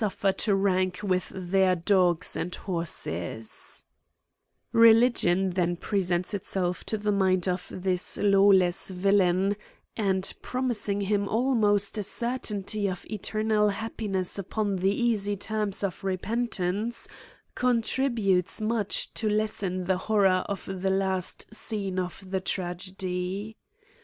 * fcr to rank with their dogs and horses.' lOi AN ESSAY ON Religion then presents itself to the mind of this lawless villain, and, promising him almost a cer tainty of eternal happiness upon the easy terms of repentance, contributes much to lessen the horror of the last scene of the tragedy.